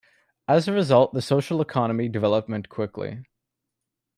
As a result, the social economy development quickly.